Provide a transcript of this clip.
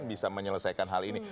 bisa menyelesaikan hal ini